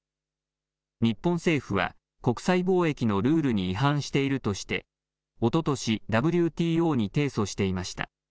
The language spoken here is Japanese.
日本政府は国際貿易のルールに違反しているとしておととしＷＴＯに提訴していました。